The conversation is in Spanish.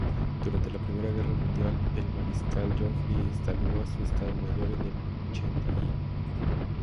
Durante la Primera Guerra Mundial, el Mariscal Joffre instaló su Estado Mayor en Chantilly.